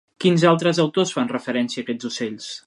Quins altres autors fan referència a aquests ocells?